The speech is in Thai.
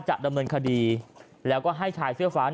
จะดำเนินคดีแล้วก็ให้ชายเสื้อฟ้า